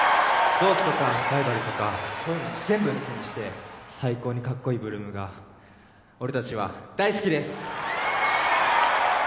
同期とかライバルとかそういうの全部抜きにして最高にカッコイイ８ＬＯＯＭが俺達は大好きです